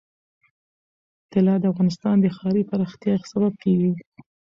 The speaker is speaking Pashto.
طلا د افغانستان د ښاري پراختیا سبب کېږي.